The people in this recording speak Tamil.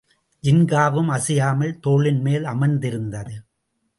ஜின்காவும் அசையாமல் தோளின்மேல் அமர்ந்திருந்தது.